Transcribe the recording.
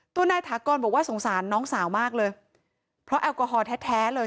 ตัวนายถากรบอกว่าสงสารน้องสาวมากเลยเพราะแอลกอฮอลแท้แท้เลย